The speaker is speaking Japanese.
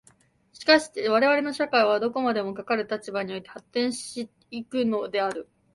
しかして我々の社会はどこまでもかかる立場において発展し行くのである。